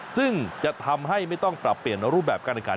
ซึ่งจะทำให้ไม่ต้องปรับเปลี่ยนรูปแบบการแข่งขัน